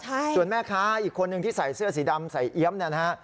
ใช่ส่วนแม่ค้าอีกคนนึงที่ใส่เสื้อสีดำใส่เอี๊ยมเนี่ยนะฮะ